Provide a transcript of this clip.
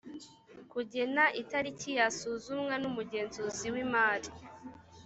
kugena itariki yasuzumwa n’umugenzuzi w’imari